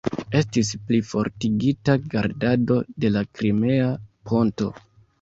Estis plifortigita gardado de la Krimea ponto.